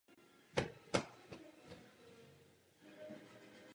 To zajišťuje nezbytnou prioritní pozornost na politické úrovni.